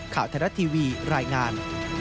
ข่าวทะเลาะทีวีรายงาน